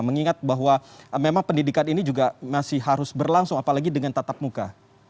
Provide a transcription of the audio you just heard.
mengingat bahwa memang pendidikan ini juga masih harus berlangsung apalagi dengan tatap muka